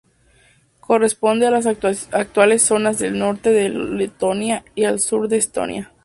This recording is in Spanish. Corresponde a las actuales zonas del norte de Letonia y el sur de Estonia.